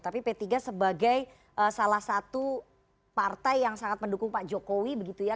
tapi p tiga sebagai salah satu partai yang sangat mendukung pak jokowi begitu ya